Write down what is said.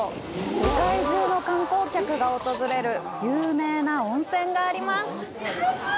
世界中の観光客が訪れる有名な温泉があります。